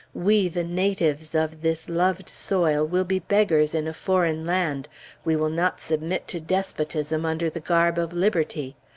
We, the natives of this loved soil, will be beggars in a foreign land; we will not submit to despotism under the garb of Liberty.